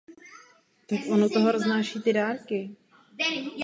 Během let o nich vydal několik knih.